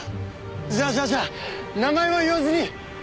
じゃあじゃあじゃあ名前を言わずに通報しよう。